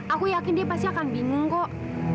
aku yakin dia pasti akan bingung kok